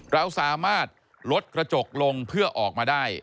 เราสามารถลดกระจกลงเพื่อออกมาได้